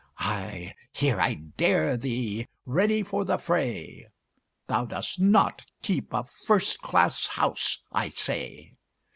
Ay! here I dare thee, ready for the fray: Thou dost not "keep a first class house," I say!